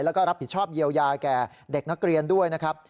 แล้วก็รับผิดชอบเยียวยาแก่เด็กนักเรียนด้วยนะครับ